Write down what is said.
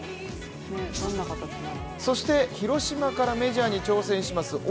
そして広島からメジャーに挑戦します